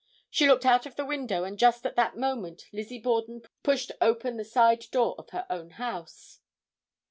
She looked out of the window and just at that moment Lizzie Borden pushed open the side door of her own house.